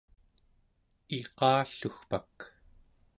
iqallugpak